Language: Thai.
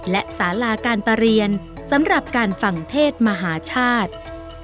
และสาราการประเรียนสำหรับการฟังเทศมหาชาติ